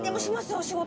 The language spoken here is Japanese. お仕事！